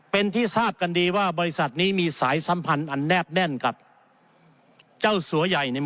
เป็นที่ทราบกันดีว่าบริษัทนี้มีสายสัมพันธ์อันแนบแน่นกับเจ้าสัวใหญ่เนี่ย